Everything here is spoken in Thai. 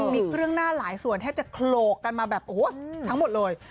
มีเครื่องหน้าหลายส่วนแทบจะโขลกกันมาแบบโอ้โหทั้งหมดเลย